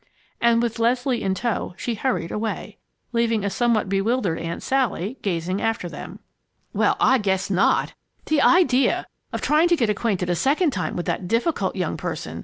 And with Leslie in tow, she hurried away, leaving a somewhat bewildered Aunt Sally gazing after them. "Well, I guess not! The idea of trying to get acquainted a second time with that difficult young person!"